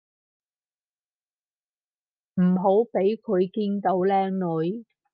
唔好畀佢見到靚女